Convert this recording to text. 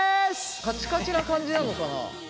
カチカチな感じなのかな。